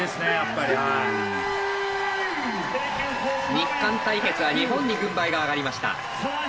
日韓対決は日本に軍配が上がりました。